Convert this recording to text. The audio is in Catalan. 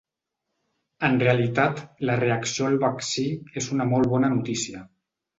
En realitat, la reacció al vaccí és una molt bona notícia.